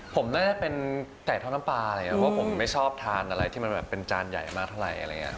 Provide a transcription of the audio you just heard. ผมแน่เป็นไก่ท่อน้ำปลาเราไม่ชอบทานอะไรที่เป็นจานใหญ่มากเท่าไร